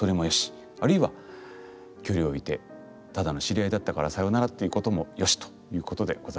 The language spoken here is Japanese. あるいは距離を置いてただの知り合いだったからさよならということもよしということでございました。